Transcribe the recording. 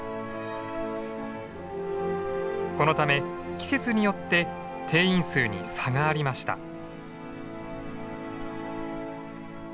このため季節によって定員数に差がありました。